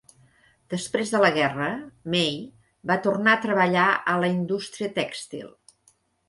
Després de la guerra, May va tornar a treballar a la indústria tèxtil.